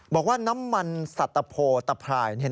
บอกว่าน้ำมันสัตวโพตะพราย